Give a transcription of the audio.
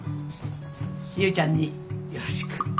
ゆいちゃんによろしく。